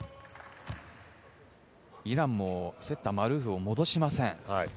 イランもセッター、マルーフを戻しません。